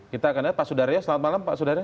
kita akan lihat pak sudaryo selamat malam pak sudaryo